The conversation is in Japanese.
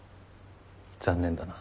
残念だな。